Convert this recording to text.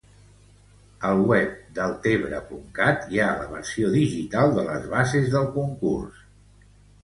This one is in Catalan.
Al web deltebre.cat hi ha la versió digital de les bases del concurs.